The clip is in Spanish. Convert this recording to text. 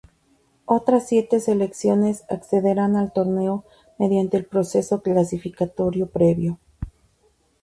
Otras siete selecciones accederán al torneo mediante el proceso clasificatorio previo.